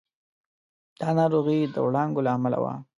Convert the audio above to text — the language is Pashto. دا ناروغي د وړانګو له امله وه.